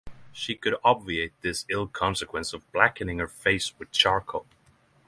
She could obviate this ill consequence by blackening her face with charcoal.